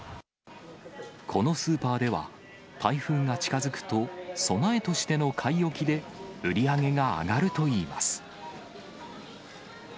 このスーパーでは、台風が近づくと、備えとしての買い置きで売り上げが上がるといいます。